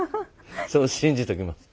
そう信じときます。